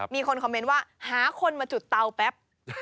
มีคนคอมเมนต์ว่าหาคนมาจุดเตาแป๊บ